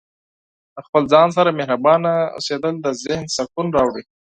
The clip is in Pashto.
د خپل ځان سره مهربانه اوسیدل د ذهن سکون راوړي.